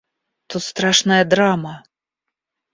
Тут страшная драма.